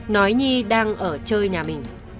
nói nhi đang ở chơi nhà mình